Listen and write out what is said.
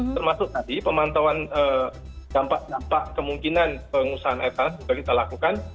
termasuk tadi pemantauan dampak dampak kemungkinan pengusahaan air tanah sudah kita lakukan